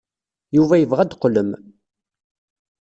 Yuba yebɣa ad d-teqqlem.